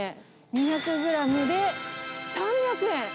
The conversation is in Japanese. ２００グラムで３００円。